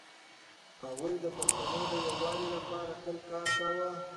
هغوی د پښتنو د يووالي لپاره تل کار کاوه.